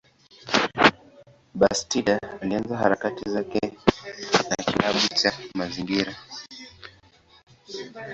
Bastida alianza harakati zake na kilabu cha mazingira.